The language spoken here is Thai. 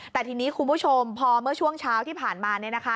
แต่ทีนี้คุณผู้ชมพอเมื่อช่วงเช้าที่ผ่านมา